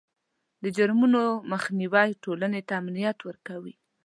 د جرمونو مخنیوی ټولنې ته امنیت ورکوي.